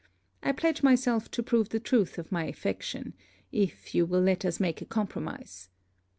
I pledge myself to prove the truth of my affection, if you will let us make a compromise.